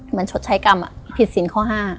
เหมือนชดใช้กรรมผิดสินข้อ๕